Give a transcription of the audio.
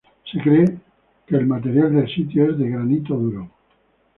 Se cree que material del sitio es de granito duro.